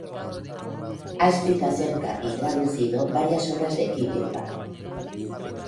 Ha escrito acerca y traducido varias obras de Kierkegaard.